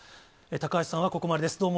高橋さんはここまでです。